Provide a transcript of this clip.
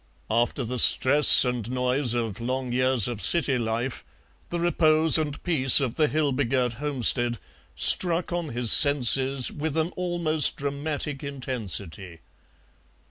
After the stress and noise of long years of city life, the repose and peace of the hill begirt homestead struck on his senses with an almost dramatic intensity.